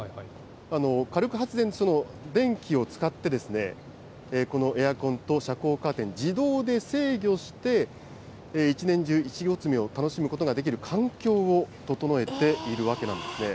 火力発電所の電気を使って、このエアコンと遮光カーテン、自動で制御して一年中いちご摘みを楽しむことができる環境を整えているわけなんですね。